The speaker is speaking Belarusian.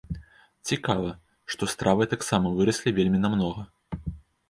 Цікава, што стравы таксама выраслі вельмі намнога.